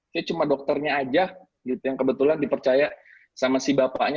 saya cuma dokternya aja gitu yang kebetulan dipercaya sama si bapaknya